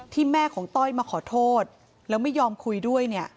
ที่แม่ของต้อยมาขอโทษแล้วไม่ยอมคุยด้วย